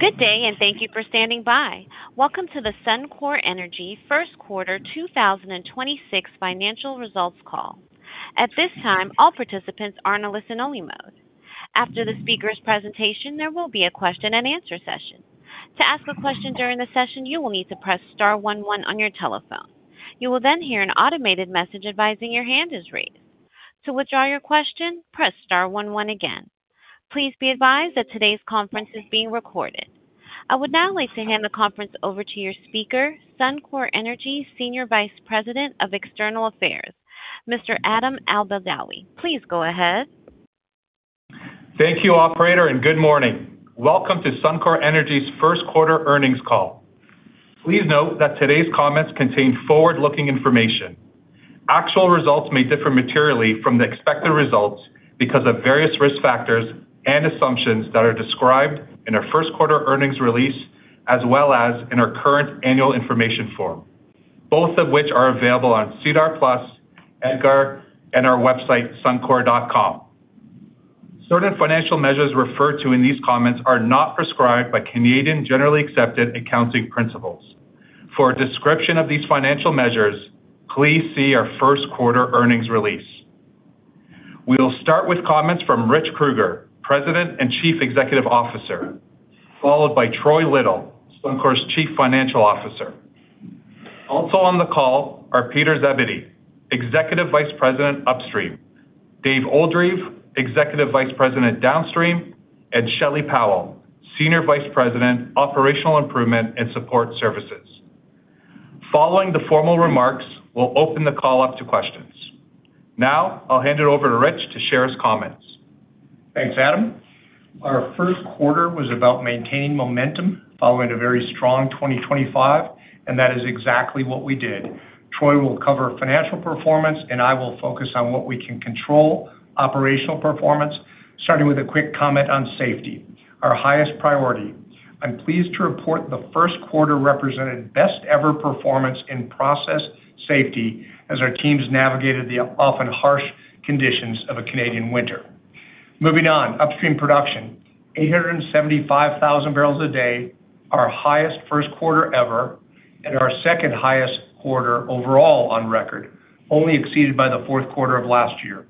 Good day, and thank you for standing by. Welcome to the Suncor Energy Q1 2026 financial results call. At this time all participants are on listen mode. After the speaker's there will be a question-and-answer session. To ask a question during the session you will need to press star one one on your telephone. You will then hear an automated message advising your hand is raised. To withdraw your question press star one one again. Please be advised that today's conference is being recorded I would now like to hand the conference over to your speaker, Suncor Energy Senior Vice President of External Affairs, Mr. Adam Albeldawi. Please go ahead. Thank you, operator, good morning. Welcome to Suncor Energy's Q1 earnings call. Please note that today's comments contain forward-looking information. Actual results may differ materially from the expected results because of various risk factors and assumptions that are described in our Q1 earnings release, as well as in our current annual information form, both of which are available on SEDAR+, EDGAR, and our website, suncor.com. Certain financial measures referred to in these comments are not prescribed by Canadian generally accepted accounting principles. For a description of these financial measures, please see our first quarter earnings release. We'll start with comments from Rich Kruger, President and Chief Executive Officer, followed by Troy Little, Suncor's Chief Financial Officer. Also on the call are Peter Zebedee, Executive Vice President, Upstream; Dave Oldreive, Executive Vice President, Downstream; and Shelley Powell, Senior Vice President, Operational Improvement and Support Services. Following the formal remarks, we'll open the call up to questions. Now, I'll hand it over to Rich to share his comments. Thanks, Adam. Our Q1 was about maintaining momentum following a very strong 2025. That is exactly what we did. Troy will cover financial performance. I will focus on what we can control, operational performance, starting with a quick comment on safety, our highest priority. I'm pleased to report the Q1 represented best ever performance in process safety as our teams navigated the often harsh conditions of a Canadian winter. Moving on, upstream production. 875,000 barrels a day, our highest first quarter ever. Our second-highest quarter overall on record, only exceeded by the fourth quarter of last year.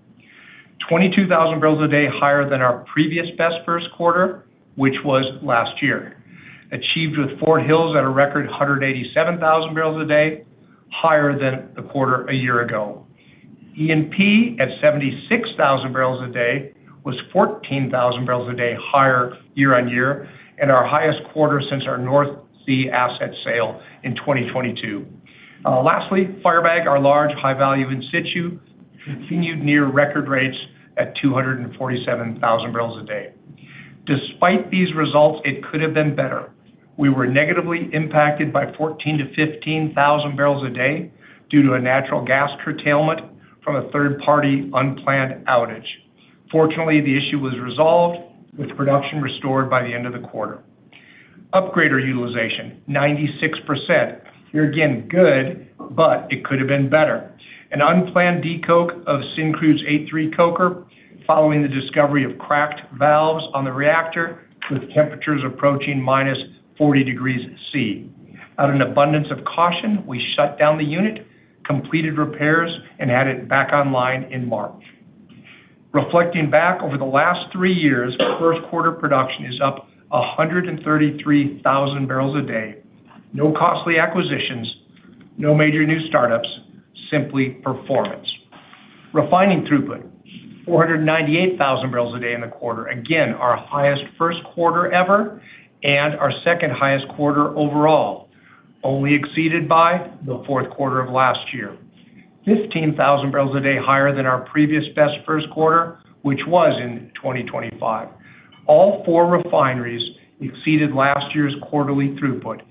22,000 barrels a day higher than our previous best Q1, which was last year. Achieved with Fort Hills at a record 187,000 barrels a day, higher than the quarter a year ago. E&P at 76,000 barrels a day was 14,000 barrels a day higher year-on-year and our highest quarter since our North Sea asset sale in 2022. Lastly, Firebag, our large high-value in situ, continued near record rates at 247,000 barrels a day. Despite these results, it could have been better. We were negatively impacted by 14,000-15,000 barrels a day due to a natural gas curtailment from a third-party unplanned outage. Fortunately, the issue was resolved with production restored by the end of the quarter. Upgrader utilization, 96%. Here again, good, but it could have been better. An unplanned de-coke of Syncrude's 8-3 coker following the discovery of cracked valves on the reactor with temperatures approaching minus 40 degrees Celsius. Out an abundance of caution, we shut down the unit, completed repairs, and had it back online in March. Reflecting back over the last 3 years, Q1 production is up 133,000 barrels a day. No costly acquisitions, no major new startups, simply performance. Refining throughput, 498,000 barrels a day in the quarter. Again, our highest Q1 ever and our second-highest quarter overall, only exceeded by Q4 of last year. 15,000 barrels a day higher than our previous best first quarter, which was in 2025. All 4 refineries exceeded last year's quarterly throughput.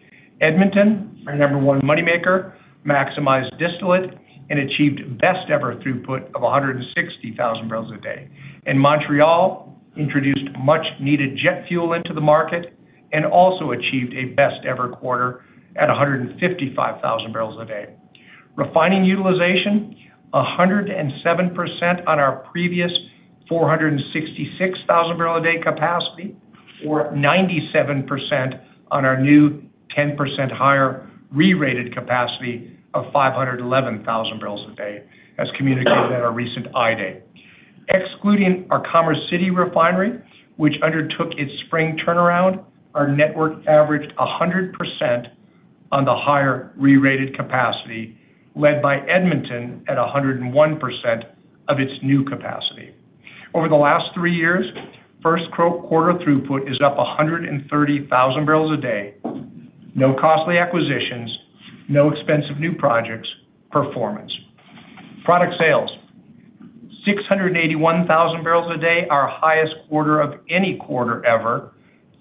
Edmonton, our number 1 money maker, maximized distillate and achieved best ever throughput of 160,000 barrels a day. Montreal introduced much-needed jet fuel into the market and also achieved a best ever quarter at 155,000 barrels a day. Refining utilization, 107% on our previous 466,000 barrel a day capacity or 97% on our new 10% higher rerated capacity of 511,000 barrels a day, as communicated at our recent Investor Day. Excluding our Commerce City refinery, which undertook its spring turnaround, our network averaged 100% on the higher rerated capacity, led by Edmonton at 101% of its new capacity. Over the last 3 years, Q1 throughput is up 130,000 barrels a day. No costly acquisitions, no expensive new projects, performance. Product sales, 681,000 barrels a day, our highest quarter of any quarter ever,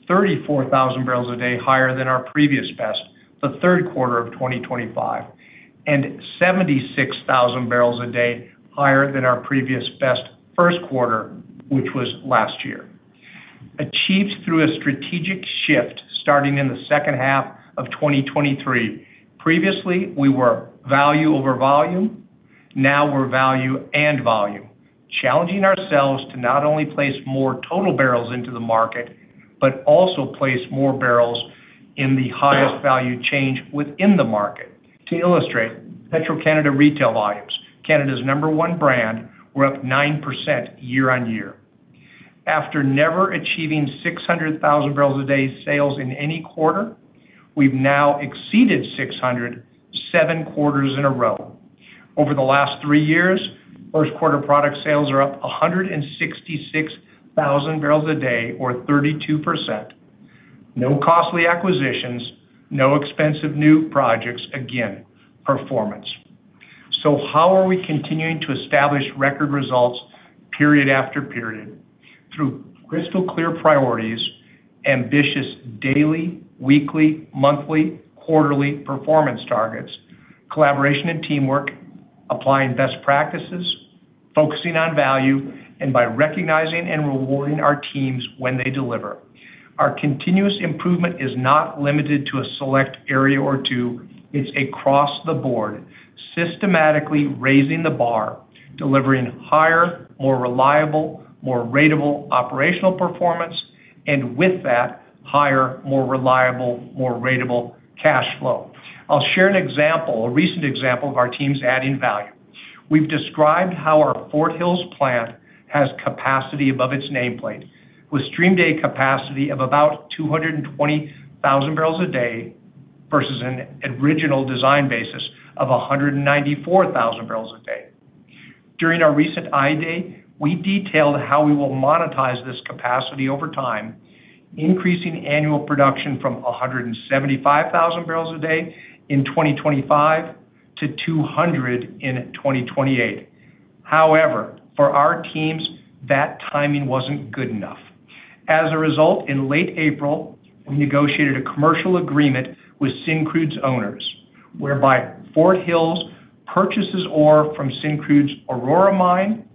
34,000 barrels a day higher than our previous best, the 3rd quarter of 2025, and 76,000 barrels a day higher than our previous best Q1, which was last year. Achieved through a strategic shift starting in the H2 of 2023. Previously, we were value over volume. We're value and volume, challenging ourselves to not only place more total barrels into the market, but also place more barrels in the highest value chain within the market. To illustrate, Petro-Canada retail volumes, Canada's number one brand, were up 9% year-over-year. After never achieving 600,000 barrels a day sales in any quarter, we've now exceeded 600 seven quarters in a row. Over the last 3 years, Q1 product sales are up 166,000 barrels a day or 32%. No costly acquisitions, no expensive new projects, again, performance. How are we continuing to establish record results period after period? Through crystal clear priorities, ambitious daily, weekly, monthly, quarterly performance targets, collaboration and teamwork, applying best practices, focusing on value, and by recognizing and rewarding our teams when they deliver. Our continuous improvement is not limited to a select area or two. It's across the board, systematically raising the bar, delivering higher, more reliable, more ratable operational performance, and with that, higher, more reliable, more ratable cash flow. I'll share an example, a recent example of our teams adding value. We've described how our Fort Hills plant has capacity above its nameplate, with stream day capacity of about 220,000 barrels a day versus an original design basis of 194,000 barrels a day. During our recent Investor Day, we detailed how we will monetize this capacity over time, increasing annual production from 175,000 barrels a day in 2025 to 200,000 in 2028. For our teams, that timing wasn't good enough. As a result, in late April, we negotiated a commercial agreement with Syncrude's owners, whereby Fort Hills purchases ore from Syncrude's Aurora mine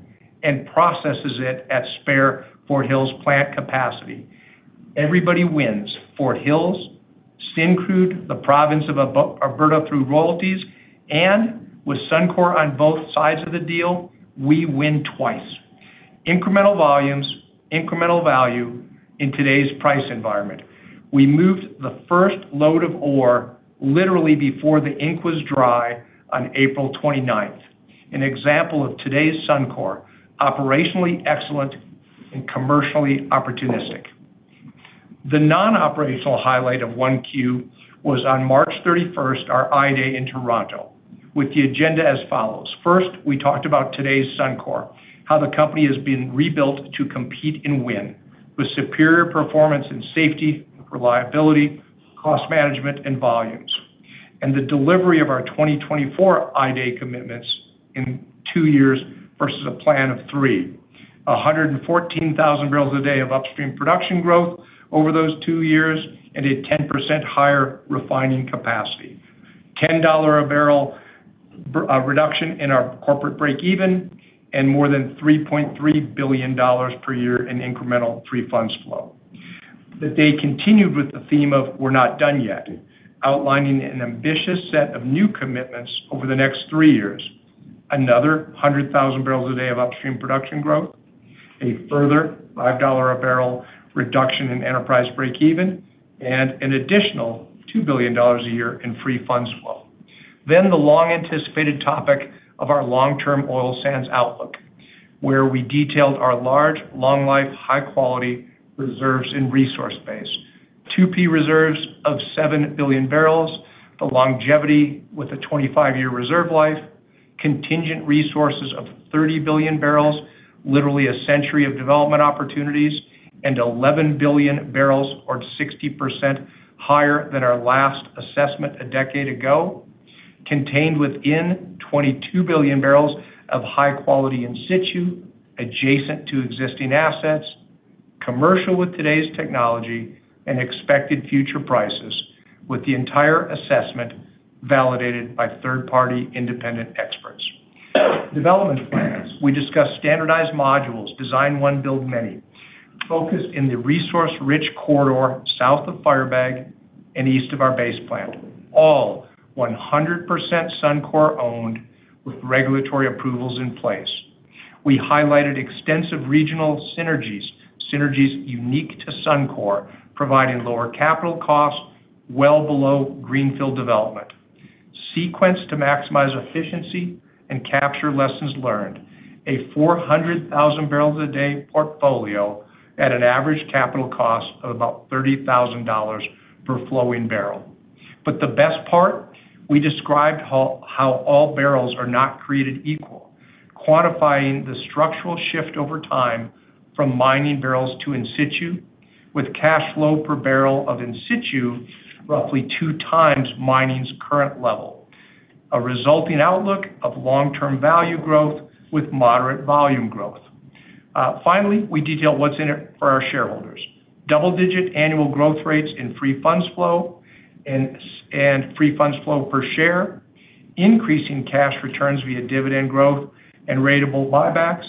and processes it at spare Fort Hills plant capacity. Everybody wins. Fort Hills, Syncrude, the province of Alberta through royalties, and with Suncor on both sides of the deal, we win twice. Incremental volumes, incremental value in today's price environment. We moved the first load of ore literally before the ink was dry on April 29th. An example of today's Suncor, operationally excellent and commercially opportunistic. The non-operational highlight of 1Q was on March 31st, our Investor Day in Toronto, with the agenda as follows. We talked about today's Suncor, how the company has been rebuilt to compete and win with superior performance and safety, reliability, cost management, and volumes. The delivery of our 2024 Investor Day commitments in 2 years versus a plan of 3. 114,000 barrels a day of upstream production growth over those two years and a 10% higher refining capacity. 10 dollar a barrel reduction in our corporate breakeven and more than 3.3 billion dollars per year in incremental free funds flow. The day continued with the theme of we're not done yet, outlining an ambitious set of new commitments over the next three years. Another 100,000 barrels a day of upstream production growth, a further 5 dollar a barrel reduction in enterprise breakeven, and an additional 2 billion dollars a year in free funds flow. The long-anticipated topic of our long-term oil sands outlook, where we detailed our large, long life, high-quality reserves and resource base. 2P reserves of 7 billion barrels, the longevity with a 25-year reserve life, contingent resources of 30 billion barrels, literally a century of development opportunities, and 11 billion barrels or 60% higher than our last assessment a decade ago, contained within 22 billion barrels of high quality in situ adjacent to existing assets, commercial with today's technology and expected future prices, with the entire assessment validated by third-party independent experts. Development plans. We discussed standardized modules, design one, build many, focused in the resource-rich corridor south of Firebag and east of our Base plant, all 100% Suncor-owned with regulatory approvals in place. We highlighted extensive regional synergies unique to Suncor, providing lower capital costs well below greenfield development, sequenced to maximize efficiency and capture lessons learned. A 400,000 barrels a day portfolio at an average capital cost of about 30,000 dollars per flowing barrel. The best part, we described how all barrels are not created equal, quantifying the structural shift over time from mining barrels to in situ with cash flow per barrel of in situ roughly two times mining's current level. A resulting outlook of long-term value growth with moderate volume growth. Finally, we detail what's in it for our shareholders. Double-digit annual growth rates in free funds flow and free funds flow per share, increasing cash returns via dividend growth and ratable buybacks.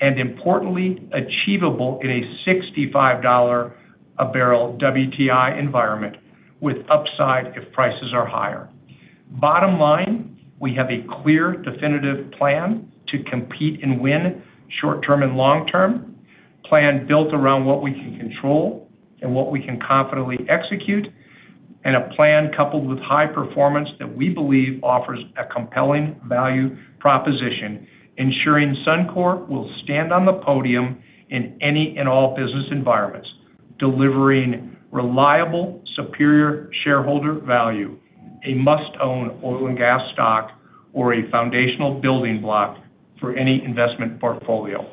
Importantly, achievable in a $65 a barrel WTI environment with upside if prices are higher. Bottom line, we have a clear definitive plan to compete and win short-term and long-term, plan built around what we can control and what we can confidently execute, and a plan coupled with high performance that we believe offers a compelling value proposition, ensuring Suncor Energy will stand on the podium in any and all business environments, delivering reliable, superior shareholder value, a must-own oil and gas stock, or a foundational building block for any investment portfolio.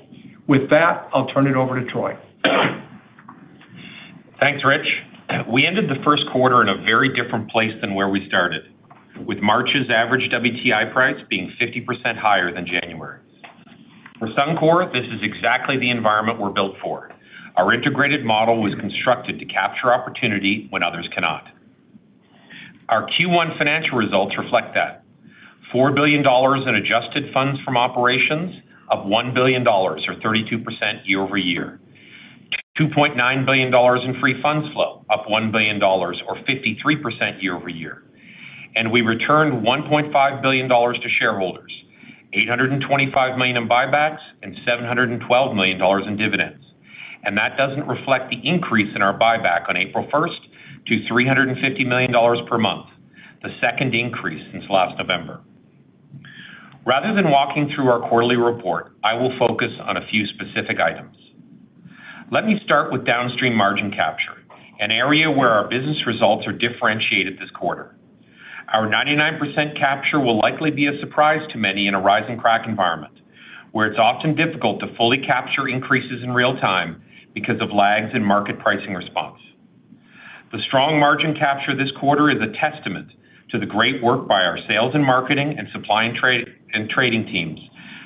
With that, I'll turn it over to Troy. Thanks, Rich. We ended Q1 in a very different place than where we started, with March's average WTI price being 50% higher than January. For Suncor, this is exactly the environment we're built for. Our integrated model was constructed to capture opportunity when others cannot. Our Q1 financial results reflect that. 4 billion dollars in adjusted funds from operations of 1 billion dollars or 32% year-over-year, 2.9 billion dollars in free funds flow, up 1 billion dollars or 53% year-over-year. We returned 1.5 billion dollars to shareholders, 825 million in buybacks and 712 million dollars in dividends. That doesn't reflect the increase in our buyback on April first to 350 million dollars per month, the second increase since last November. Rather than walking through our quarterly report, I will focus on a few specific items. Let me start with downstream margin capture, an area where our business results are differentiated this quarter. Our 99% capture will likely be a surprise to many in a rising crack environment, where it's often difficult to fully capture increases in real-time because of lags in market pricing response. The strong margin capture this quarter is a testament to the great work by our sales and marketing and supply and trade, and trading teams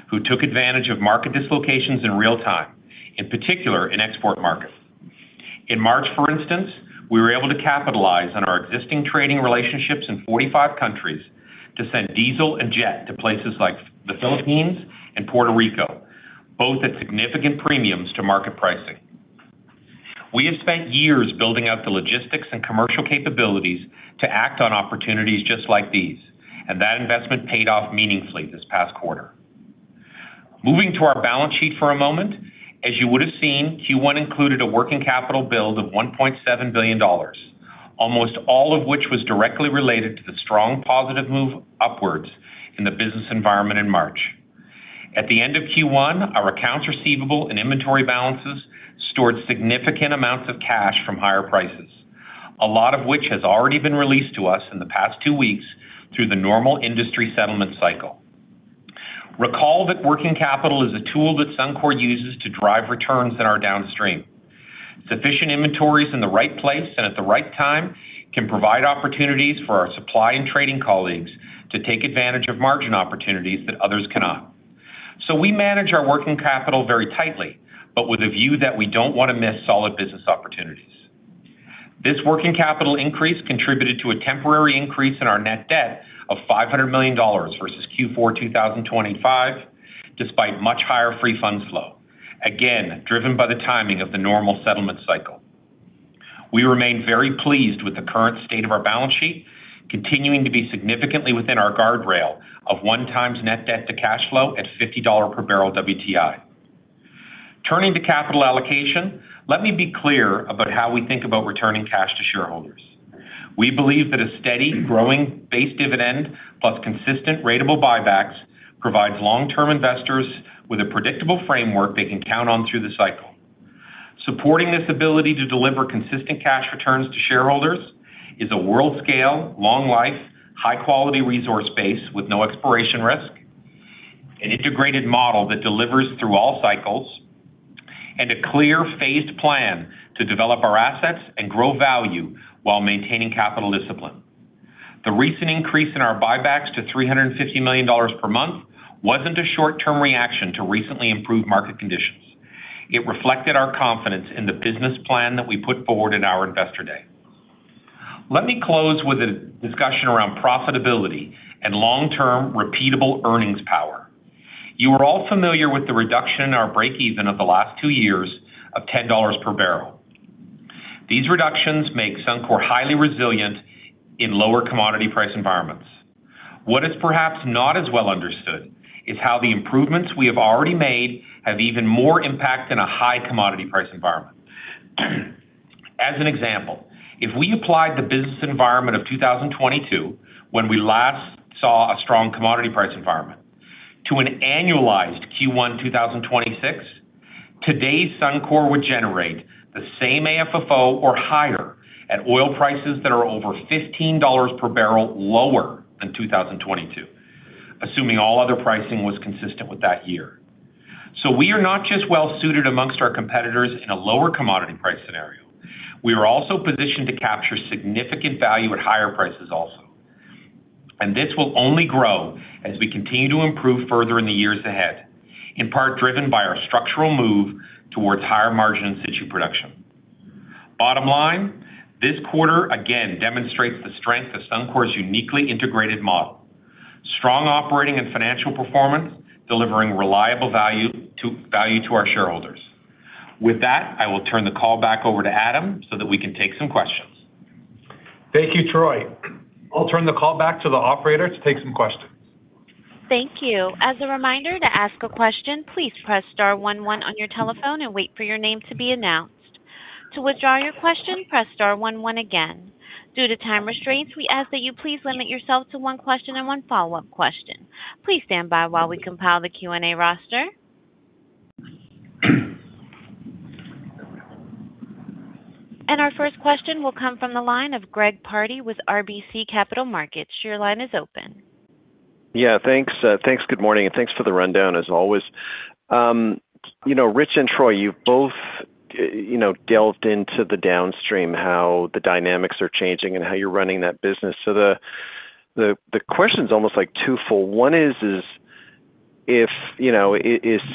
who took advantage of market dislocations in real time, in particular in export markets. In March, for instance, we were able to capitalize on our existing trading relationships in 45 countries to send diesel and jet to places like the Philippines and Puerto Rico, both at significant premiums to market pricing. We have spent years building out the logistics and commercial capabilities to act on opportunities just like these, and that investment paid off meaningfully this past quarter. Moving to our balance sheet for a moment, as you would have seen, Q1 included a working capital build of 1.7 billion dollars, almost all of which was directly related to the strong positive move upwards in the business environment in March. At the end of Q1, our accounts receivable and inventory balances stored significant amounts of cash from higher prices, a lot of which has already been released to us in the past two weeks through the normal industry settlement cycle. Recall that working capital is a tool that Suncor uses to drive returns in our downstream. Sufficient inventories in the right place and at the right time can provide opportunities for our supply and trading colleagues to take advantage of margin opportunities that others cannot. We manage our working capital very tightly, but with a view that we don't wanna miss solid business opportunities. This working capital increase contributed to a temporary increase in our net debt of 500 million dollars versus Q4 2005, despite much higher free funds flow, again, driven by the timing of the normal settlement cycle. We remain very pleased with the current state of our balance sheet, continuing to be significantly within our guardrail of 1 times net debt to cash flow at $50 per barrel WTI. Turning to capital allocation, let me be clear about how we think about returning cash to shareholders. We believe that a steady, growing base dividend plus consistent ratable buybacks provides long-term investors with a predictable framework they can count on through the cycle. Supporting this ability to deliver consistent cash returns to shareholders is a world-scale, long-life, high-quality resource base with no exploration risk, an integrated model that delivers through all cycles, and a clear, phased plan to develop our assets and grow value while maintaining capital discipline. The recent increase in our buybacks to 350 million dollars per month wasn't a short-term reaction to recently improved market conditions. It reflected our confidence in the business plan that we put forward in our Investor Day. Let me close with a discussion around profitability and long-term repeatable earnings power. You are all familiar with the reduction in our breakeven of the last two years of 10 dollars per barrel. These reductions make Suncor highly resilient in lower commodity price environments. What is perhaps not as well understood is how the improvements we have already made have even more impact in a high commodity price environment. As an example, if we applied the business environment of 2022, when we last saw a strong commodity price environment, to an annualized Q1 2026, today's Suncor would generate the same AFFO or higher at oil prices that are over $15 per barrel lower than 2022, assuming all other pricing was consistent with that year. We are not just well suited amongst our competitors in a lower commodity price scenario, we are also positioned to capture significant value at higher prices also. This will only grow as we continue to improve further in the years ahead, in part driven by our structural move towards higher-margin in-situ production. Bottom line, this quarter again demonstrates the strength of Suncor's uniquely integrated model. Strong operating and financial performance, delivering reliable value to our shareholders. With that, I will turn the call back over to Adam so that we can take some questions. Thank you, Troy. I'll turn the call back to the operator to take some questions. Thank you. As a reminder to ask a question, please press star one one on your telephone and wait for your name to be announced. To withdraw your question, press star one one again. Due to time restraints, we ask that you please limit yourself to one question and one follow-up question. Please stand by while we compile the Q&A roster. Our first question will come from the line of Greg Pardy with RBC Capital Markets. Your line is open. Thanks, thanks. Good morning, and thanks for the rundown as always. You know, Rich and Troy, you've both, you know, delved into the downstream, how the dynamics are changing and how you're running that business. The question's almost like twofold. One is if, you know,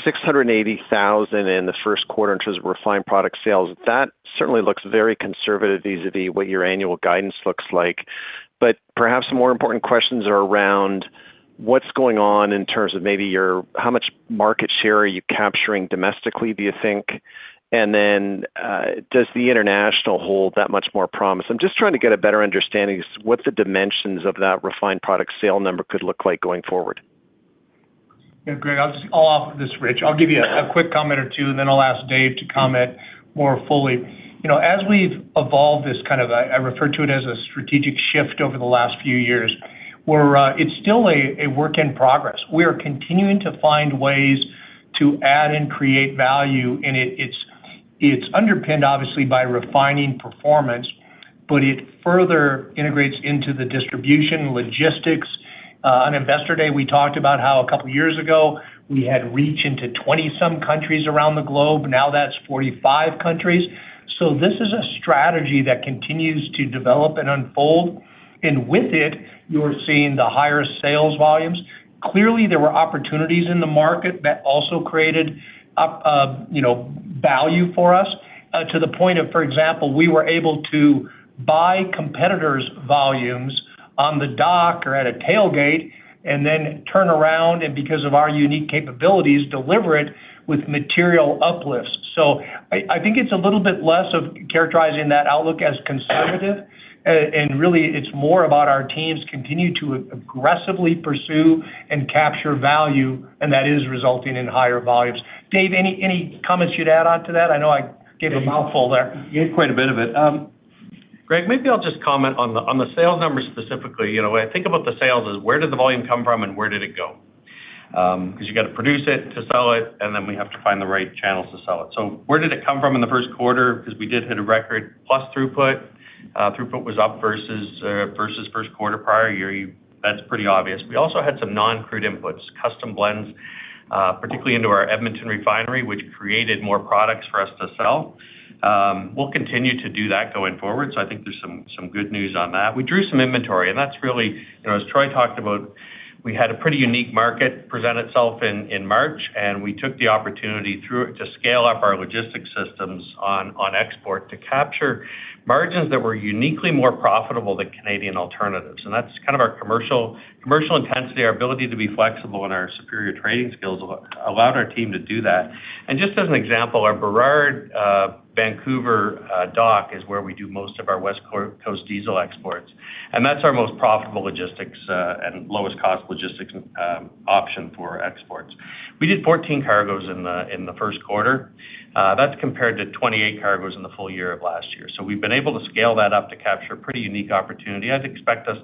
680,000 in the first quarter in terms of refined product sales, that certainly looks very conservative vis-a-vis what your annual guidance looks like. Perhaps more important questions are around what's going on in terms of how much market share are you capturing domestically, do you think? Does the international hold that much more promise? I'm just trying to get a better understanding what the dimensions of that refined product sale number could look like going forward. Yeah, Greg, this is Rich. I'll give you a quick comment or two, then I'll ask Dave to comment more fully. You know, as we've evolved this kind of, I refer to it as a strategic shift over the last few years, we're, it's still a work in progress. We are continuing to find ways to add and create value. It's underpinned, obviously, by refining performance, it further integrates into the distribution, logistics. On Investor Day, we talked about how a couple of years ago, we had reach into 20 some countries around the globe. Now that's 45 countries. This is a strategy that continues to develop and unfold. With it, you're seeing the higher sales volumes. Clearly, there were opportunities in the market that also created up, you know, value for us, to the point of, for example, we were able to buy competitors' volumes on the dock or at a tailgate and then turn around and because of our unique capabilities, deliver it with material uplifts. I think it's a little bit less of characterizing that outlook as conservative. Really it's more about our teams continue to aggressively pursue and capture value, and that is resulting in higher volumes. Dave, any comments you'd add on to that? I know I gave a mouthful there. You gave quite a bit of it. Greg, maybe I'll just comment on the sales numbers specifically. You know, when I think about the sales is where did the volume come from and where did it go? Cause you got to produce it to sell it, and then we have to find the right channels to sell it. Where did it come from in Q1? Cause we did hit a record plus throughput. Throughput was up versus first quarter prior year. That's pretty obvious. We also had some non-crude inputs, custom blends, particularly into our Edmonton refinery, which created more products for us to sell. We'll continue to do that going forward. I think there's some good news on that. We drew some inventory. That's really, you know, as Troy talked about, we had a pretty unique market present itself in March. We took the opportunity through it to scale up our logistics systems on export to capture margins that were uniquely more profitable than Canadian alternatives. That's kind of our commercial intensity, our ability to be flexible, and our superior trading skills allowed our team to do that. Just as an example, our Burrard, Vancouver dock is where we do most of our West Coast diesel exports, and that's our most profitable logistics and lowest cost logistics option for exports. We did 14 cargos in the 1st quarter. That's compared to 28 cargos in the full year of last year. We've been able to scale that up to capture pretty unique opportunity. I'd expect us,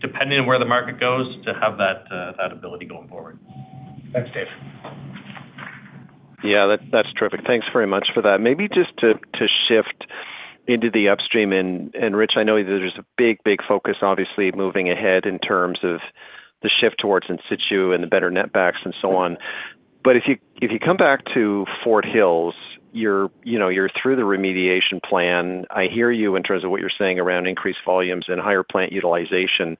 depending on where the market goes, to have that ability going forward. Thanks, Dave. Yeah, that's terrific. Thanks very much for that. Maybe just to shift into the upstream. Rich, I know there's a big focus, obviously, moving ahead in terms of the shift towards in-situ and the better net backs and so on. If you come back to Fort Hills, you're, you know, you're through the remediation plan. I hear you in terms of what you're saying around increased volumes and higher plant utilization.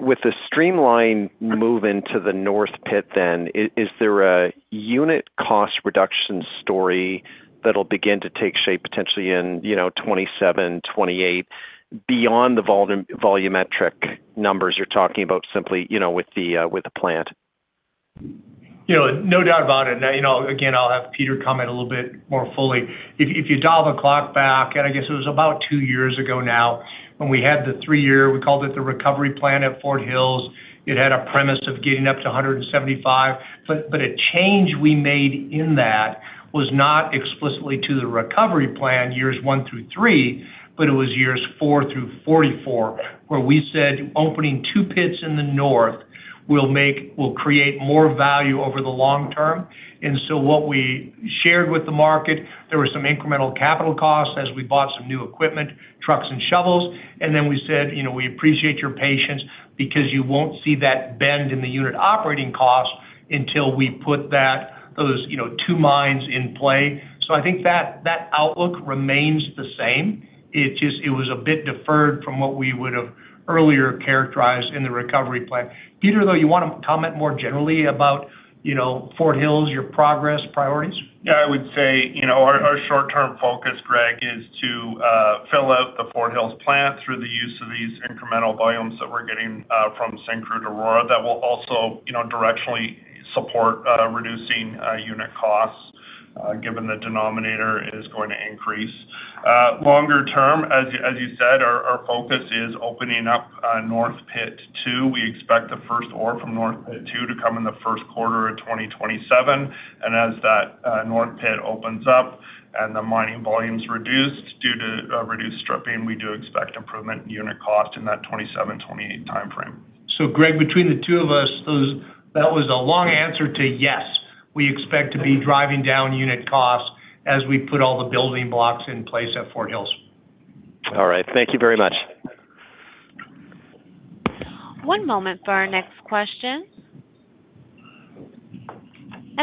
With the streamlined move into the North pit then, is there a unit cost reduction story that'll begin to take shape potentially in, you know, 2027, 2028 beyond the volumetric numbers you're talking about simply, you know, with the plant? You know, no doubt about it. You know, again, I'll have Peter comment a little bit more fully. If you dial the clock back, I guess it was about two years ago now, when we had the 3-year, we called it the Recovery Plan at Fort Hills, it had a premise of getting up to 175. A change we made in that was not explicitly to the Recovery Plan years 1-3, but it was years 4-44, where we said opening two pits in the north will create more value over the long term. What we shared with the market, there were some incremental capital costs as we bought some new equipment, trucks and shovels. We said, you know, we appreciate your patience because you won't see that bend in the unit operating cost until we put those, you know, two mines in play. I think that outlook remains the same. It was a bit deferred from what we would have earlier characterized in the recovery plan. Peter, though, you wanna comment more generally about, you know, Fort Hills, your progress, priorities? Yeah, I would say, you know, our short-term focus, Greg, is to fill out the Fort Hills plant through the use of these incremental volumes that we're getting from Syncrude Aurora that will also, you know, directionally support reducing unit costs, given the denominator is going to increase. Longer term, as you said, our focus is opening up North Pit 2. We expect the first ore from North Pit 2 to come in the first quarter of 2027. As that North Pit opens up and the mining volume's reduced due to reduced stripping, we do expect improvement in unit cost in that 27-28 timeframe. Greg, between the two of us, that was a long answer to yes. We expect to be driving down unit costs as we put all the building blocks in place at Fort Hills. All right. Thank you very much. One moment for our next question.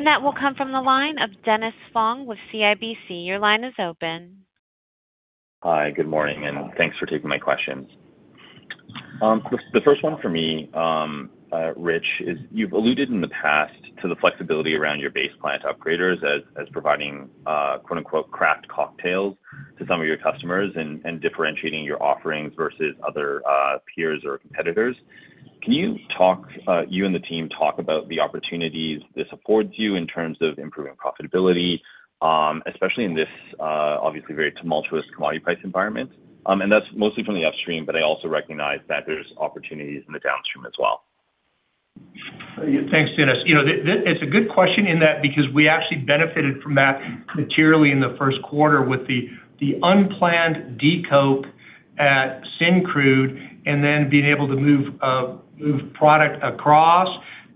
That will come from the line of Dennis Fong with CIBC. Your line is open. Hi, good morning, and thanks for taking my questions. The first one for me, Rich, is you've alluded in the past to the flexibility around your base plant upgraders as providing, quote-unquote, craft cocktails to some of your customers and differentiating your offerings versus other peers or competitors. Can you and the team talk about the opportunities this affords you in terms of improving profitability, especially in this obviously very tumultuous commodity price environment? That's mostly from the upstream, but I also recognize that there's opportunities in the downstream as well. Thanks, Dennis. You know, it's a good question in that because we actually benefited from that materially in the first quarter with the unplanned de-coke at Syncrude and then being able to move product across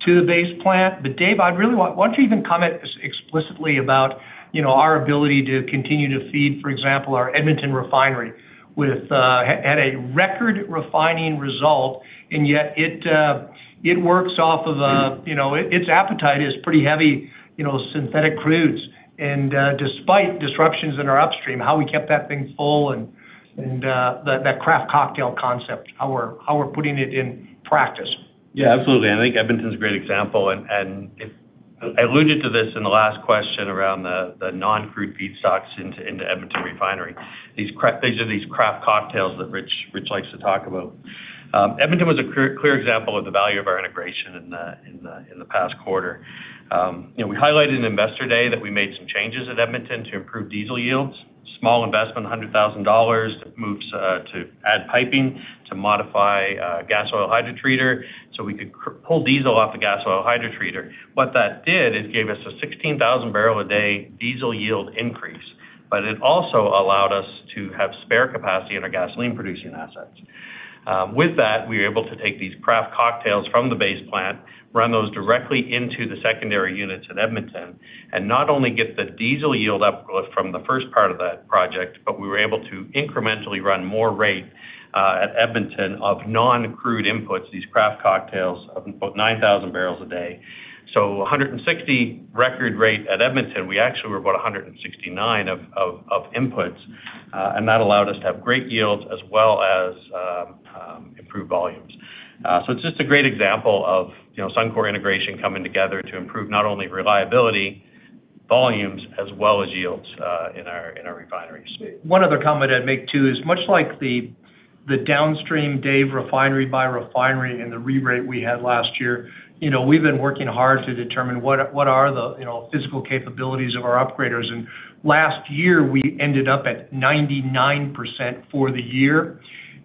to the base plant. Dave, why don't you even comment explicitly about, you know, our ability to continue to feed, for example, our Edmonton refinery with a record refining result, and yet it works off of a, you know, its appetite is pretty heavy, you know, synthetic crudes. Despite disruptions in our upstream, how we kept that thing full and that craft cocktail concept, how we're putting it in practice. Yeah, absolutely. I think Edmonton's a great example. I alluded to this in the last question around the non-crude feedstocks into Edmonton Refinery. These are these craft cocktails that Rich likes to talk about. Edmonton was a clear example of the value of our integration in the past quarter. You know, we highlighted in Investor Day that we made some changes at Edmonton to improve diesel yields. Small investment, 100,000 dollars, moves to add piping, to modify gas oil hydrotreater, so we could pull diesel off the gas oil hydrotreater. What that did, it gave us a 16,000 barrel a day diesel yield increase, it also allowed us to have spare capacity in our gasoline producing assets. With that, we were able to take these craft cocktails from the base plant, run those directly into the secondary units at Edmonton, and not only get the diesel yield uplift from the first part of that project, but we were able to incrementally run more rate at Edmonton of non-crude inputs, these craft cocktails of about 9,000 barrels a day. A 160 record rate at Edmonton, we actually were about 169 of inputs, and that allowed us to have great yields as well as improved volumes. It's just a great example of, you know, Suncor integration coming together to improve not only reliability, volumes, as well as yields in our refineries. One other comment I'd make, too, is much like the downstream Dave refinery by refinery and the re-rate we had last year, you know, we've been working hard to determine what are the, you know, physical capabilities of our upgraders. Last year, we ended up at 99% for the year.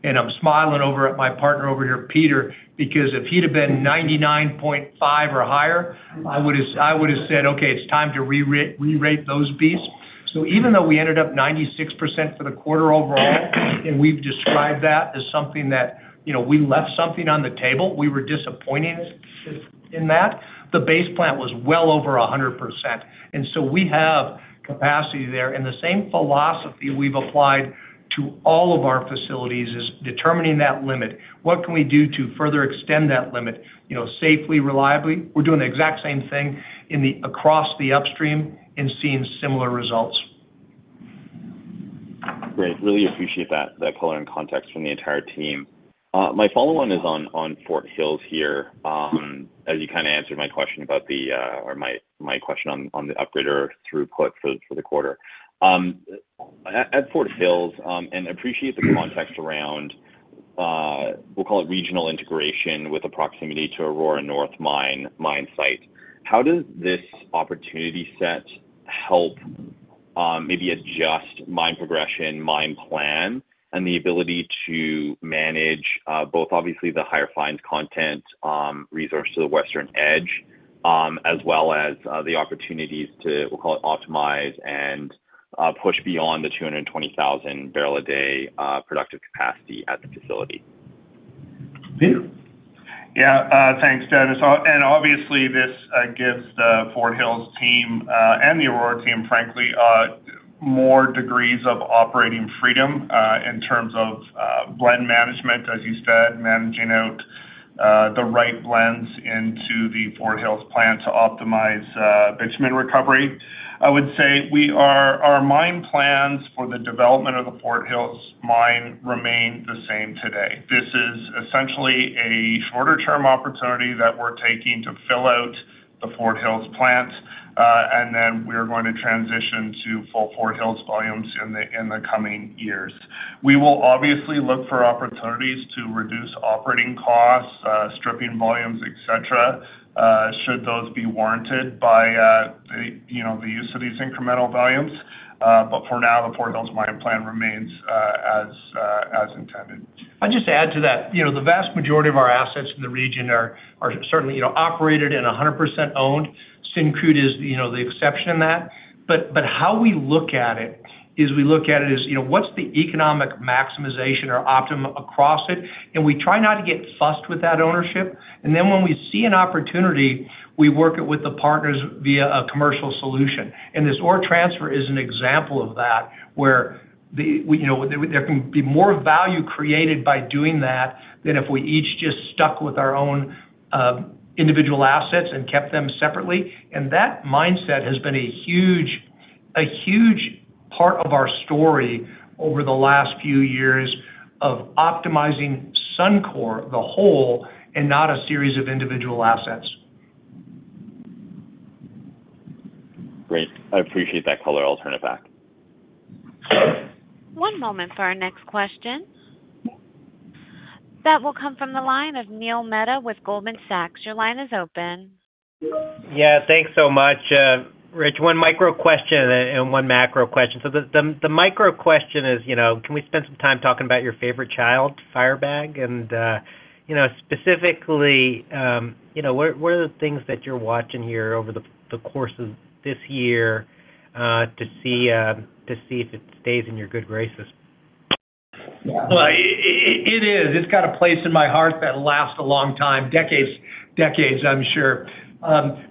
I'm smiling over at my partner over here, Peter, because if he'd have been 99.5 or higher, I would've said, Okay, it's time to re-rate those beasts. Even though we ended up 96% for the quarter overall, and we've described that as something that, you know, we left something on the table, we were disappointed in that, the base plant was well over 100%. We have capacity there. The same philosophy we've applied to all of our facilities is determining that limit. What can we do to further extend that limit, you know, safely, reliably? We're doing the exact same thing across the upstream and seeing similar results. Great. Really appreciate that color and context from the entire team. My follow-on is on Fort Hills here, as you kind of answered my question about the, or my question on the upgrader throughput for the quarter. At Fort Hills, and appreciate the context around, we'll call it regional integration with a proximity to Aurora North mine site. How does this opportunity set help maybe adjust mine progression, mine plan, and the ability to manage both obviously the higher fines content resource to the Western Edge, as well as the opportunities to, we'll call it, optimize and push beyond the 220,000 barrel a day productive capacity at the facility? Peter? Yeah, thanks, Dennis. Obviously this gives the Fort Hills team and the Aurora team, frankly, more degrees of operating freedom in terms of blend management, as you said, managing out. The right blends into the Fort Hills plant to optimize bitumen recovery. I would say our mine plans for the development of the Fort Hills mine remain the same today. This is essentially a shorter term opportunity that we're taking to fill out the Fort Hills plant, and then we're going to transition to full Fort Hills volumes in the coming years. We will obviously look for opportunities to reduce operating costs, stripping volumes, et cetera, should those be warranted by the, you know, the use of these incremental volumes. For now, the Fort Hills mine plan remains as intended. I'll just add to that. You know, the vast majority of our assets in the region are certainly, you know, operated and 100% owned. Syncrude is, you know, the exception in that. But how we look at it is we look at it as, you know, what's the economic maximization or optimum across it? We try not to get fussed with that ownership. Then when we see an opportunity, we work it with the partners via a commercial solution. This ore transfer is an example of that, where we, you know, there can be more value created by doing that than if we each just stuck with our own individual assets and kept them separately. That mindset has been a huge part of our story over the last few years of optimizing Suncor, the whole, and not a series of individual assets. Great. I appreciate that, caller. I'll turn it back. One moment for our next question. That will come from the line of Neil Mehta with Goldman Sachs. Your line is open. Yeah. Thanks so much, Rich. One micro question and one macro question. The micro question is, you know, can we spend some time talking about your favorite child, Firebag? And, you know, specifically, you know, what are the things that you're watching here over the course of this year to see if it stays in your good graces? It is. It's got a place in my heart that'll last a long time. Decades, I'm sure.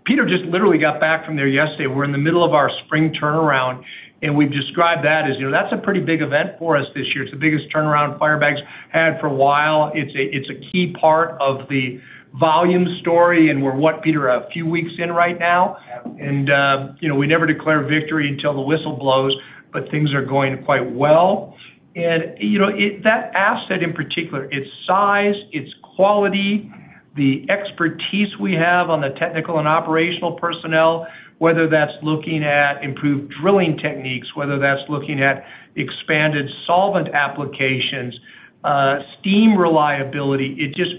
Peter just literally got back from there yesterday. We're in the middle of our spring turnaround. We've described that as, you know, that's a pretty big event for us this year. It's the biggest turnaround Firebag's had for a while. It's a key part of the volume story. We're what, Peter, a few weeks in right now? Yeah. You know, we never declare victory until the whistle blows, but things are going quite well. You know, that asset in particular, its size, its quality, the expertise we have on the technical and operational personnel, whether that's looking at improved drilling techniques, whether that's looking at expanded solvent applications, steam reliability, it just,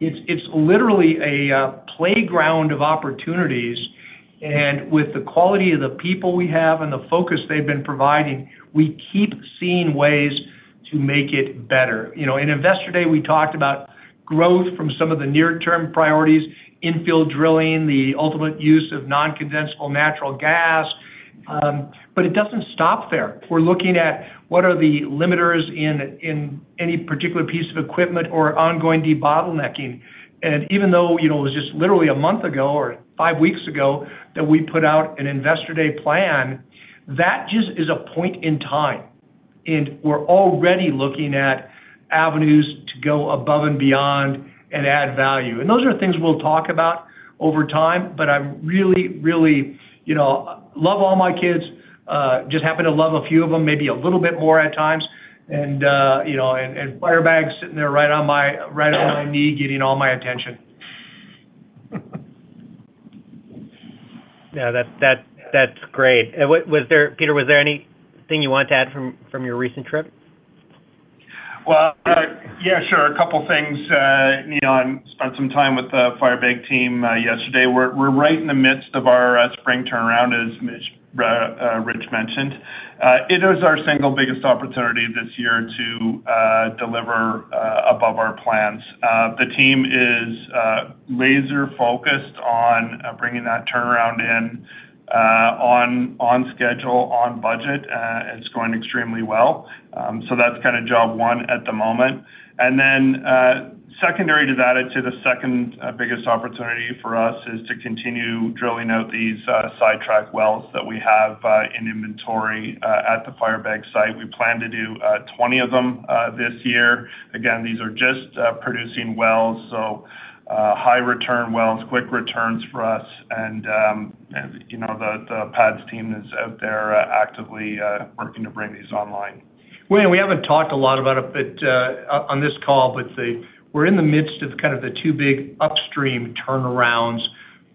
it's literally a playground of opportunities. With the quality of the people we have and the focus they've been providing, we keep seeing ways to make it better. You know, in Investor Day, we talked about growth from some of the near-term priorities, infill drilling, the ultimate use of non-condensable natural gas. It doesn't stop there. We're looking at what are the limiters in any particular piece of equipment or ongoing debottlenecking. Even though, you know, it was just literally a month ago or five weeks ago that we put out an Investor Day plan, that just is a point in time. We're already looking at avenues to go above and beyond and add value. Those are things we'll talk about over time, but I really, really, you know, love all my kids, just happen to love a few of them maybe a little bit more at times. You know, Firebag's sitting there right on my, right on my knee, getting all my attention. Yeah. That's great. Peter, was there anything you wanted to add from your recent trip? Well, yeah, sure. A couple things. Neil and I spent some time with the Firebag team yesterday. We're right in the midst of our spring turnaround, as Rich mentioned. It is our single biggest opportunity this year to deliver above our plans. The team is laser focused on bringing that turnaround in on schedule, on budget. It's going extremely well. That's kind of job one at the moment. Then secondary to that is to the second biggest opportunity for us is to continue drilling out these sidetrack wells that we have in inventory at the Firebag site. We plan to do 20 of them this year. Again, these are just producing wells, high return wells, quick returns for us. You know, the pads team is out there actively working to bring these online. We haven't talked a lot about it, but on this call, we're in the midst of kind of the two big upstream turnarounds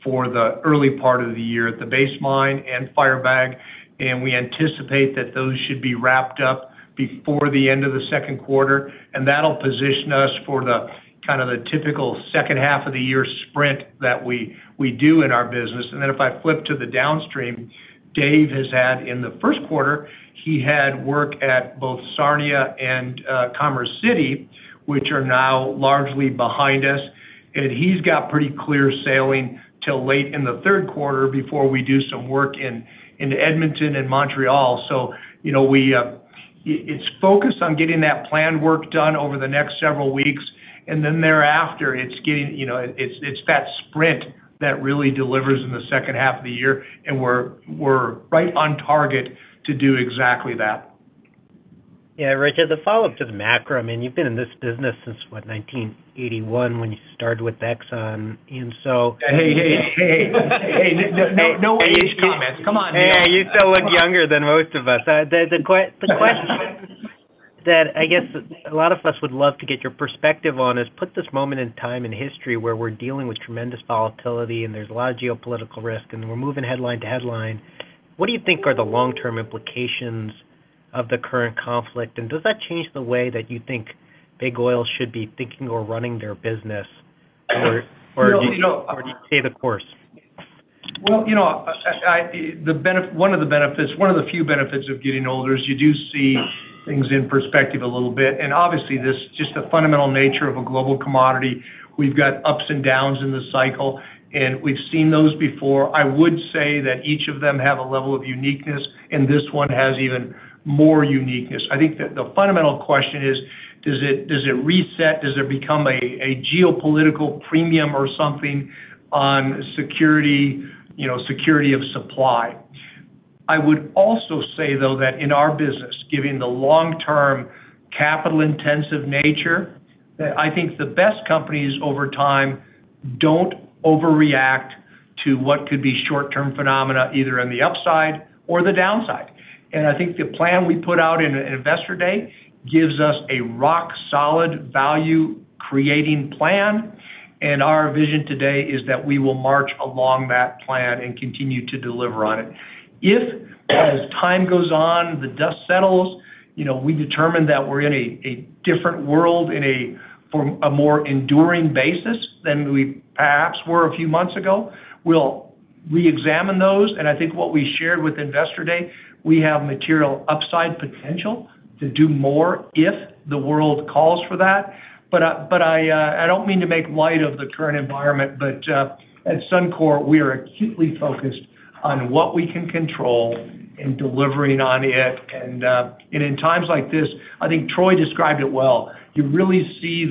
for the early part of the year at the base mine and Firebag, and we anticipate that those should be wrapped up before the end of Q2, and that'll position us for the kind of the typical H2 of the year sprint that we do in our business. Then if I flip to the downstream, Dave has had in Q1, he had work at both Sarnia and Commerce City, which are now largely behind us. He's got pretty clear sailing till late in Q3 before we do some work in Edmonton and Montreal. You know, we, it's focused on getting that planned work done over the next several weeks. Thereafter, it's getting, you know, it's that sprint that really delivers in H2 of the year, and we're right on target to do exactly that. Yeah, Rich, as a follow-up to the macro, I mean, you've been in this business since, what, 1981 when you started with Exxon. Hey, hey. Hey, no age comments. Come on, Neil. Hey, you still look younger than most of us. The question that I guess a lot of us would love to get your perspective on is put this moment in time in history where we're dealing with tremendous volatility, and there's a lot of geopolitical risk, and we're moving headline to headline. What do you think are the long-term implications of the current conflict? Does that change the way that you think big oil should be thinking or running their business or do you stay the course? Well, you know, one of the few benefits of getting older is you do see things in perspective a little bit. Obviously, this is just the fundamental nature of a global commodity. We've got ups and downs in the cycle, and we've seen those before. I would say that each of them have a level of uniqueness, and this one has even more uniqueness. I think the fundamental question is: Does it reset? Does it become a geopolitical premium or something on security, you know, security of supply? I would also say, though, that in our business, given the long-term capital intensive nature, that I think the best companies over time don't overreact to what could be short-term phenomena, either on the upside or the downside. I think the plan we put out in Investor Day gives us a rock solid value-creating plan. Our vision today is that we will march along that plan and continue to deliver on it. If as time goes on, the dust settles, you know, we determine that we're in a different world for a more enduring basis than we perhaps were a few months ago, we'll reexamine those. I think what we shared with Investor Day, we have material upside potential to do more if the world calls for that. I don't mean to make light of the current environment, but at Suncor, we are acutely focused on what we can control and delivering on it. In times like this, I think Troy described it well. You really see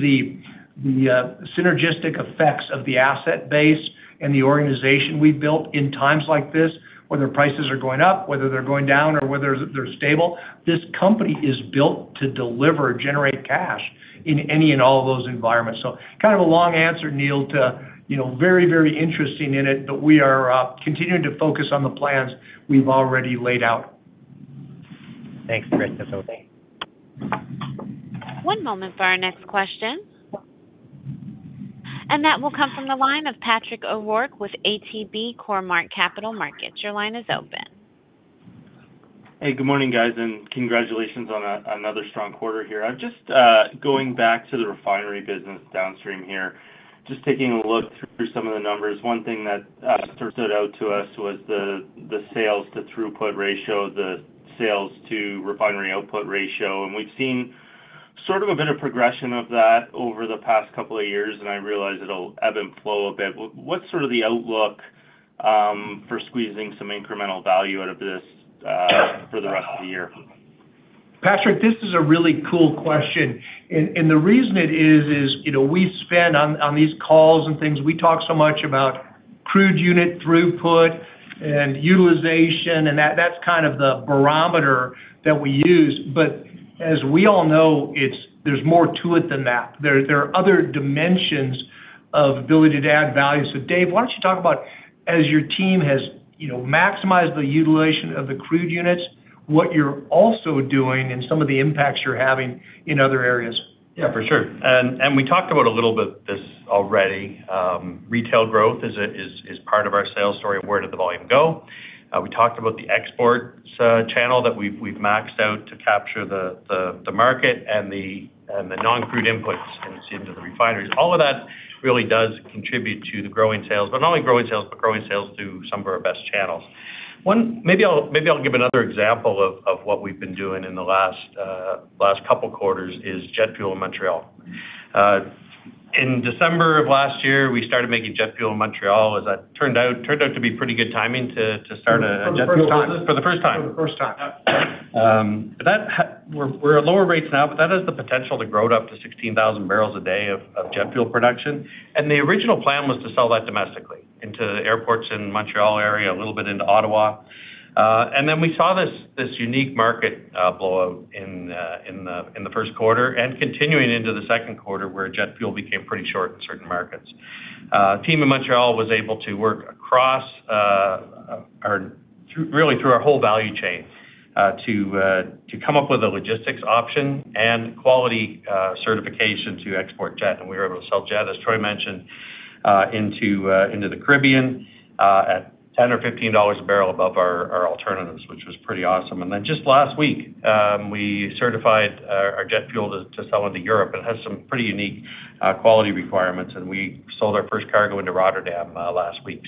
the synergistic effects of the asset base and the organization we've built in times like this, whether prices are going up, whether they're going down, or whether they're stable. This company is built to deliver, generate cash in any and all of those environments. Kind of a long answer, Neil, to, you know, very interesting in it, but we are continuing to focus on the plans we've already laid out. Thanks, Rich. That's all I have. One moment for our next question. That will come from the line of Patrick O'Rourke with ATB Capital Markets. Your line is open. Hey, good morning, guys, and congratulations on another strong quarter here. I'm just going back to the refinery business downstream here. Just taking a look through some of the numbers. One thing that stood out to us was the sales to throughput ratio, the sales to refinery output ratio. We've seen sort of a bit of progression of that over the past couple of years, and I realize it'll ebb and flow a bit. What's sort of the outlook for squeezing some incremental value out of this for the rest of the year? Patrick, this is a really cool question. The reason it is, you know, we spend on these calls and things, we talk so much about crude unit throughput and utilization, and that's kind of the barometer that we use. As we all know, there's more to it than that. There are other dimensions of ability to add value. Dave, why don't you talk about as your team has, you know, maximized the utilization of the crude units, what you're also doing and some of the impacts you're having in other areas? Yeah, for sure. We talked about a little bit this already. Retail growth is part of our sales story of where did the volume go. We talked about the exports channel that we've maxed out to capture the market and the non-crude inputs into the refineries. All of that really does contribute to the growing sales. Not only growing sales, but growing sales to some of our best channels. Maybe I'll give another example of what we've been doing in the last couple quarters is jet fuel in Montreal. In December of last year, we started making jet fuel in Montreal. As that turned out to be pretty good timing to start a jet fuel business. For the first time. For the first time. For the first time. We're at lower rates now, but that has the potential to grow it up to 16,000 barrels a day of jet fuel production. The original plan was to sell that domestically into the airports in Montreal area, a little bit into Ottawa. Then we saw this unique market blowout in Q1 and continuing into Q2, where jet fuel became pretty short in certain markets. Team in Montreal was able to work across really through our whole value chain to come up with a logistics option and quality certification to export jet. We were able to sell jet, as Troy mentioned, into the Caribbean, at $10 or $15 a barrel above our alternatives, which was pretty awesome. Just last week, we certified our jet fuel to sell into Europe. It has some pretty unique quality requirements, and we sold our first cargo into Rotterdam, last week.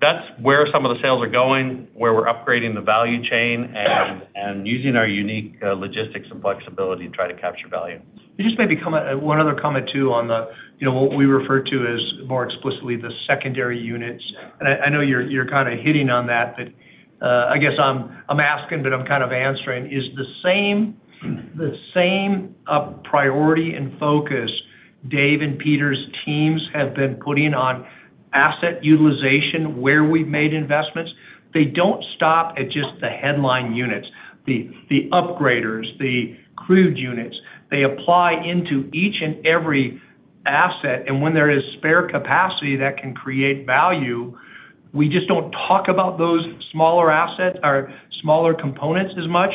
That's where some of the sales are going, where we're upgrading the value chain and using our unique logistics and flexibility to try to capture value. Just maybe a comment, one other comment, too, on the, you know, what we refer to as more explicitly the secondary units. I know you're kind of hitting on that, but I guess I'm asking, but I'm kind of answering. The same priority and focus Dave and Peter's teams have been putting on asset utilization where we've made investments, they don't stop at just the headline units, the upgraders, the crude units. They apply into each and every asset. When there is spare capacity that can create value, we just don't talk about those smaller assets or smaller components as much,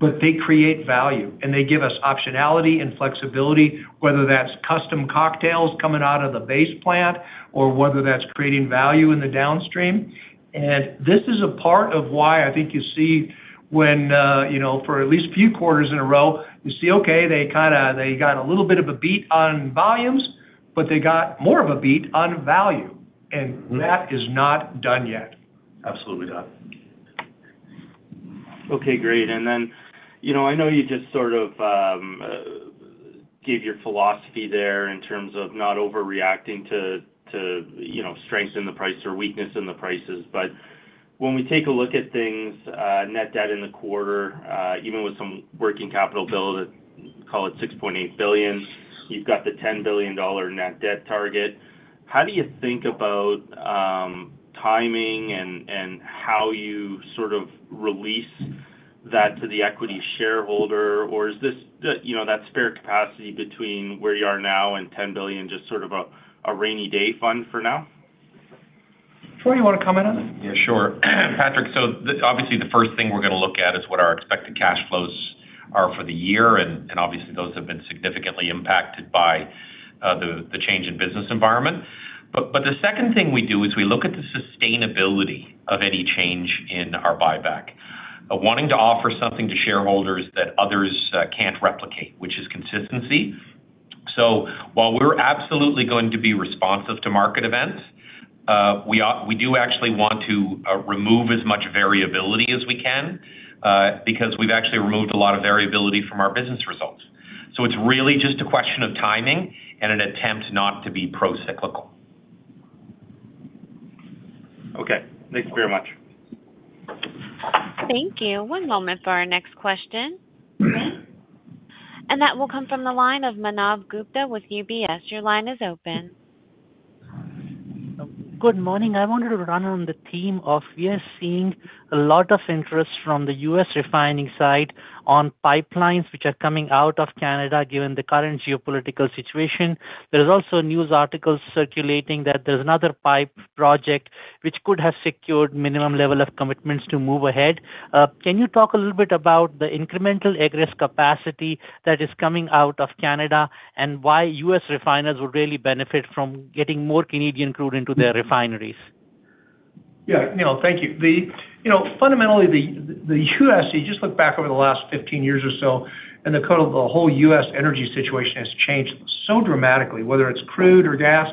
but they create value, and they give us optionality and flexibility, whether that's custom cocktails coming out of the base plant or whether that's creating value in the downstream. This is a part of why I think you see when, you know, for at least a few quarters in a row, you see, okay, they got a little bit of a beat on volumes, but they got more of a beat on value, and that is not done yet. Absolutely not. Okay, great. You know, I know you just sort of gave your philosophy there in terms of not overreacting to, you know, strength in the price or weakness in the prices. When we take a look at things, net debt in the quarter, even with some working capital build, call it 6.8 billion, you've got the 10 billion dollar net debt target. How do you think about timing and how you sort of release that to the equity shareholder? Is this, you know, that spare capacity between where you are now and 10 billion just sort of a rainy day fund for now? Troy, you wanna comment on that? Yeah, sure. Patrick, obviously, the first thing we're gonna look at is what our expected cash flows are for the year, and obviously, those have been significantly impacted by the change in business environment. The second thing we do is we look at the sustainability of any change in our buyback. Wanting to offer something to shareholders that others can't replicate, which is consistency. While we're absolutely going to be responsive to market events, we do actually want to remove as much variability as we can, because we've actually removed a lot of variability from our business results. It's really just a question of timing and an attempt not to be procyclical. Okay. Thanks very much. Thank you. One moment for our next question. That will come from the line of Manav Gupta with UBS. Your line is open. Good morning. I wanted to run on the theme of we are seeing a lot of interest from the U.S. refining side on pipelines which are coming out of Canada, given the current geopolitical situation. There is also news articles circulating that there's another pipe project which could have secured minimum level of commitments to move ahead. Can you talk a little bit about the incremental egress capacity that is coming out of Canada and why U.S. refiners would really benefit from getting more Canadian crude into their refineries? Yeah. Neil, thank you. You know, fundamentally, the U.S., you just look back over the last 15 years or so, and the whole U.S. energy situation has changed so dramatically, whether it's crude or gas.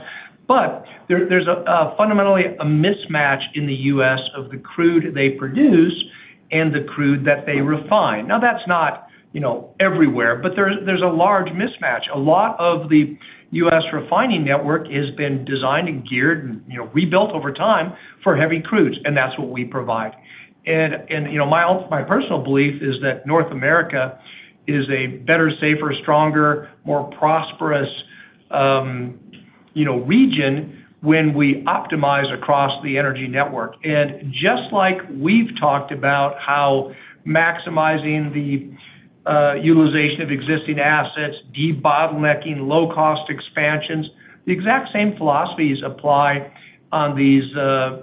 There, there's a fundamentally a mismatch in the U.S. of the crude they produce and the crude that they refine. Now, that's not, you know, everywhere, there's a large mismatch. A lot of the U.S. refining network has been designed and geared and, you know, rebuilt over time for heavy crudes, and that's what we provide. And, you know, my personal belief is that North America is a better, safer, stronger, more prosperous, you know, region when we optimize across the energy network. Just like we've talked about how maximizing the utilization of existing assets, debottlenecking low-cost expansions, the exact same philosophies apply on these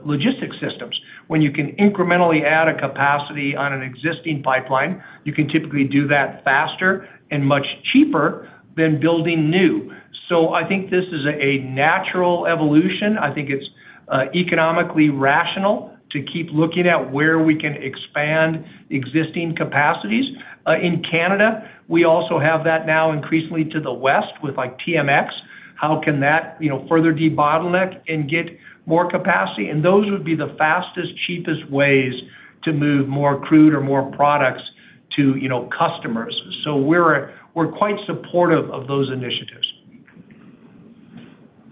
logistics systems. When you can incrementally add a capacity on an existing pipeline, you can typically do that faster and much cheaper than building new. I think this is a natural evolution. I think it's economically rational to keep looking at where we can expand existing capacities. In Canada, we also have that now increasingly to the west with, like, TMX. How can that, you know, further debottleneck and get more capacity? Those would be the fastest, cheapest ways to move more crude or more products to, you know, customers. We're quite supportive of those initiatives.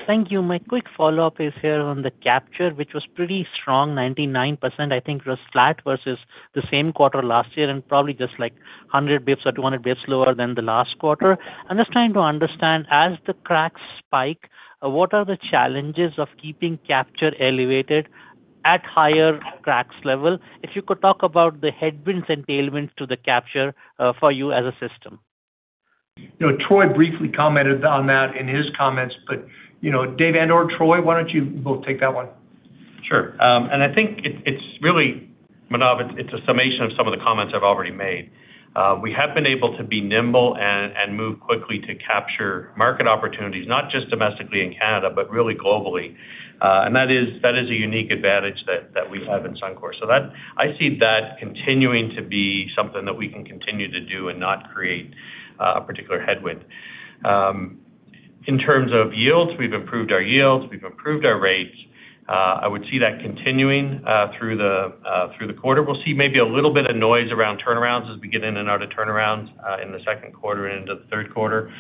Thank you. My quick follow-up is here on the capture, which was pretty strong, 99%. I think it was flat versus the same quarter last year and probably just like 100 basis points or 200 basis points lower than the last quarter. I'm just trying to understand, as the cracks spike, what are the challenges of keeping capture elevated at higher cracks level? If you could talk about the headwinds and tailwinds to the capture for you as a system. You know, Troy briefly commented on that in his comments. You know, Dave and/or Troy, why don't you both take that one? Sure. I think it's really, Manav, it's a summation of some of the comments I've already made. We have been able to be nimble and move quickly to capture market opportunities, not just domestically in Canada, but really globally. That is a unique advantage that we have in Suncor. I see that continuing to be something that we can continue to do and not create particular headwind. In terms of yields, we've improved our yields, we've improved our rates. I would see that continuing through the quarter. We'll see maybe a little bit of noise around turnarounds as we get in and out of turnarounds in Q2 and into the Q3.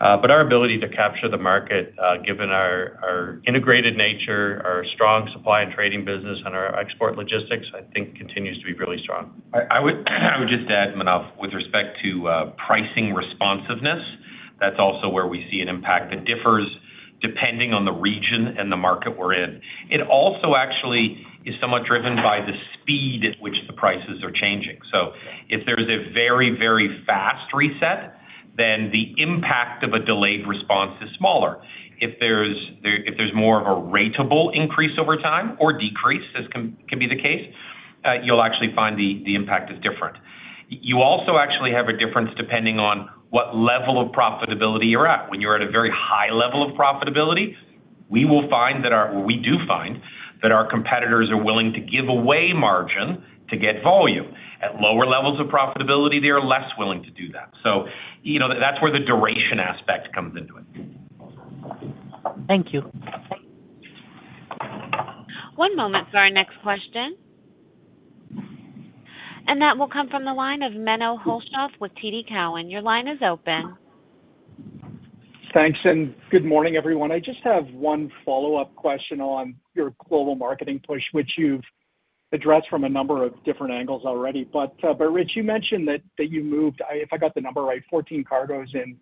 Our ability to capture the market, given our integrated nature, our strong supply and trading business and our export logistics, I think continues to be really strong. I would just add, Manav, with respect to pricing responsiveness, that's also where we see an impact that differs. Depending on the region and the market we're in. It also actually is somewhat driven by the speed at which the prices are changing. If there is a very, very fast reset, then the impact of a delayed response is smaller. If there's more of a ratable increase over time or decrease, as can be the case, you'll actually find the impact is different. You also actually have a difference depending on what level of profitability you're at. When you're at a very high level of profitability, we will find that we do find that our competitors are willing to give away margin to get volume. At lower levels of profitability, they are less willing to do that. You know, that's where the duration aspect comes into it. Thank you. One moment for our next question. That will come from the line of Menno Hulshof with TD Cowen. Your line is open. Thanks. Good morning, everyone. I just have one follow-up question on your global marketing push, which you've addressed from a number of different angles already. Rich, you mentioned that you moved, if I got the number right, 14 cargoes in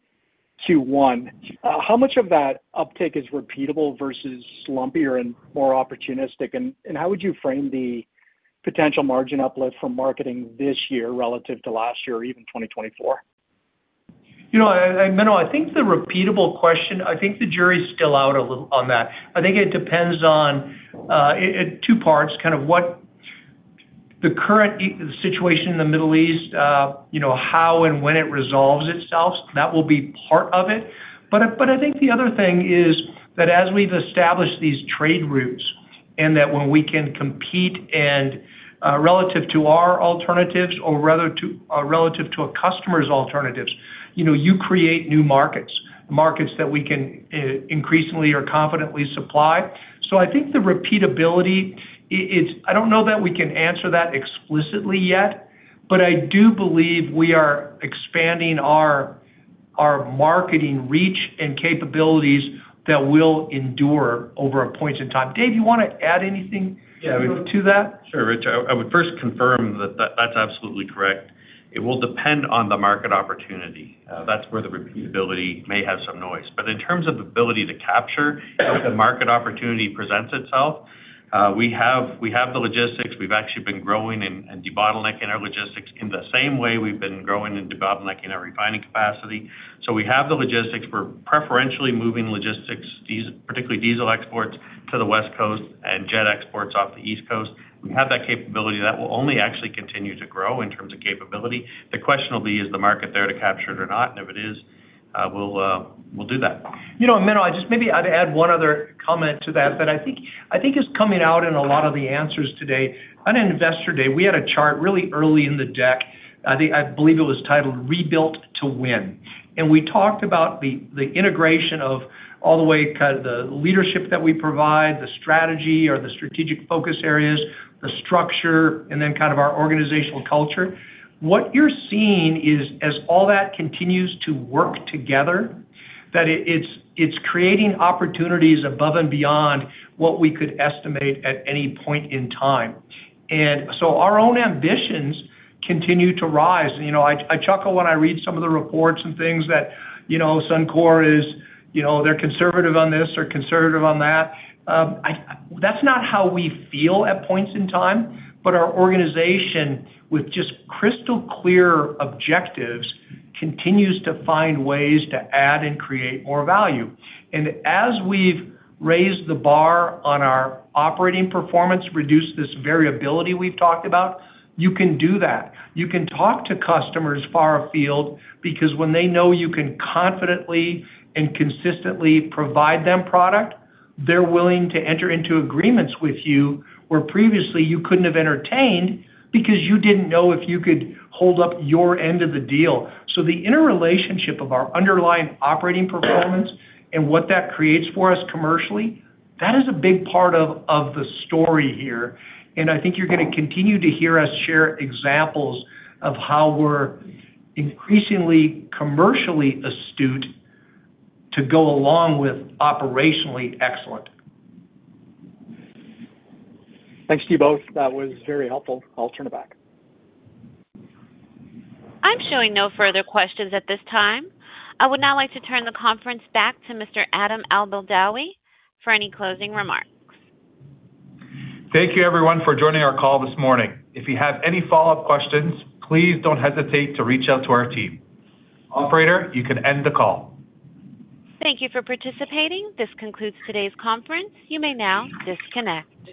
to one. How much of that uptake is repeatable versus lumpier and more opportunistic? How would you frame the potential margin uplift from marketing this year relative to last year or even 2024? You know, Menno, I think the repeatable question, I think the jury is still out a little on that. I think it depends on two parts, kind of what the current situation in the Middle East, you know, how and when it resolves itself, that will be part of it. I think the other thing is that as we've established these trade routes and that when we can compete and relative to our alternatives or relative to a customer's alternatives, you know, you create new markets that we can increasingly or confidently supply. I think the repeatability, it's I don't know that we can answer that explicitly yet, but I do believe we are expanding our marketing reach and capabilities that will endure over points in time. Dave, you want to add anything? Yeah. to that? Sure, Rich. I would first confirm that that's absolutely correct. It will depend on the market opportunity. That's where the repeatability may have some noise. In terms of ability to capture where the market opportunity presents itself, we have the logistics. We've actually been growing and debottlenecking our logistics in the same way we've been growing and debottlenecking our refining capacity. We have the logistics. We're preferentially moving logistics particularly diesel exports to the West Coast and jet exports off the East Coast. We have that capability. That will only actually continue to grow in terms of capability. The question will be, is the market there to capture it or not? If it is, we'll do that. You know, Menno, maybe I'd add one other comment to that I think is coming out in a lot of the answers today. On Investor Day, we had a chart really early in the deck, I believe it was titled Rebuilt to Win. We talked about the integration of all the way kind of the leadership that we provide, the strategy or the strategic focus areas, the structure, and then kind of our organizational culture. What you're seeing is as all that continues to work together, that it's creating opportunities above and beyond what we could estimate at any point in time. Our own ambitions continue to rise. You know, I chuckle when I read some of the reports and things that, you know, Suncor is, you know, they're conservative on this or conservative on that. That's not how we feel at points in time. Our organization, with just crystal clear objectives, continues to find ways to add and create more value. As we've raised the bar on our operating performance, reduced this variability we've talked about, you can do that. You can talk to customers far afield because when they know you can confidently and consistently provide them product, they're willing to enter into agreements with you, where previously you couldn't have entertained because you didn't know if you could hold up your end of the deal. The interrelationship of our underlying operating performance and what that creates for us commercially, that is a big part of the story here. I think you're gonna continue to hear us share examples of how we're increasingly commercially astute to go along with operationally excellent. Thanks to you both. That was very helpful. I'll turn it back. I'm showing no further questions at this time. I would now like to turn the conference back to Mr. Adam Albeldawi for any closing remarks. Thank you everyone for joining our call this morning. If you have any follow-up questions, please don't hesitate to reach out to our team. Operator, you can end the call. Thank you for participating. This concludes today's conference. You may now disconnect.